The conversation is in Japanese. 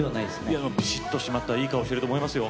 いやびしっと締まったいい顔してると思いますよ。